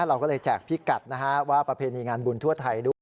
เราก็เลยแจกพิกัดนะฮะว่าประเพณีงานบุญทั่วไทยด้วย